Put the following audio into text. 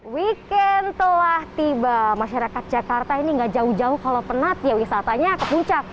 weekend telah tiba masyarakat jakarta ini gak jauh jauh kalau penat ya wisatanya ke puncak